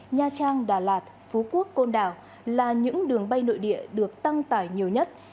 nha trang đà lạt phú quốc côn đảo là những đường bay nội địa được tăng tải nhiều nhất